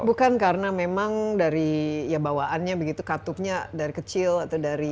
bukan karena memang dari ya bawaannya begitu katupnya dari kecil atau dari